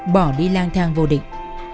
bỏ đi lang thang vô định